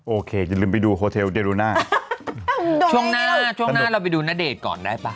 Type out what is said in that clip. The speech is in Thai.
โอเคอย่าลืมไปดูโฮเทลเดรูน่าช่วงหน้าเราไปดูณเดชน์ก่อนได้ป่ะ